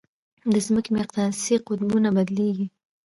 د ځمکې مقناطیسي قطبونه بدلېږي.